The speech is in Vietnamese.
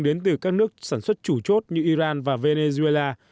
đến từ các nước sản xuất chủ chốt như iran và venezuela